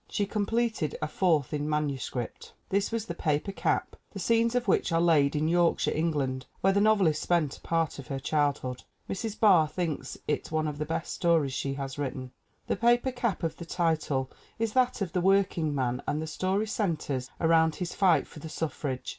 she completed a fourth in manuscript! This was The Paper Cap, the scenes of which are laid in Yorkshire, England, where the nov elist spent a part of her childhood. Mrs. Barr thinks it one of the best stories she has written. The paper cap of the title is that of the workingman and the story centers around his fight for the suffrage.